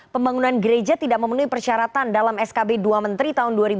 pembangunan gereja tidak memenuhi persyaratan dalam skb dua menteri tahun dua ribu dua puluh